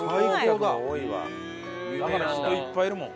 だから人いっぱいいるもん。